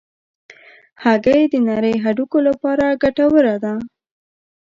هګۍ د نرۍ هډوکو لپاره ګټوره ده.